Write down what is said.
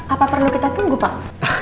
apa perlu kita tunggu pak